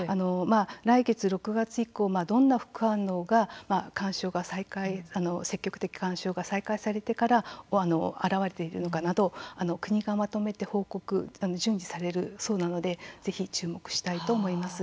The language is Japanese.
来月６月以降どんな副反応が勧奨が再開積極的勧奨が再開されてから表れているのかなど国がまとめて報告順次されるそうなのでぜひ注目したいと思います。